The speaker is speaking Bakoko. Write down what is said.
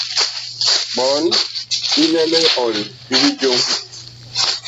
Bɔɔn bi lɛ liɔl li bijoŋ.